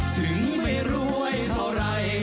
ถึงไม่รวยเท่าไร